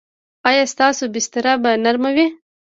ایا ستاسو بستره به نرمه وي؟